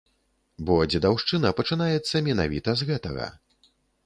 Бо дзедаўшчына пачынаецца менавіта з гэтага.